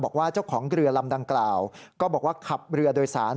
บอกว่าเจ้าของเรือลำดังกล่าวก็บอกว่าขับเรือโดยสาร